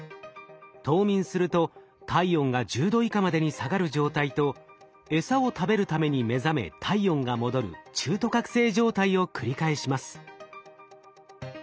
冬眠すると体温が１０℃以下までに下がる状態とエサを食べるために目覚め体温が戻る中途覚醒状態を繰り返します。